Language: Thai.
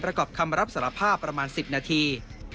ประกอบคำรับสารภาพประมาณ๑๐นาที